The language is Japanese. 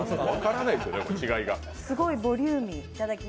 すごいボリューミー。